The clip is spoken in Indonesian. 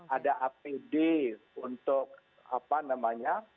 ada apd untuk apa namanya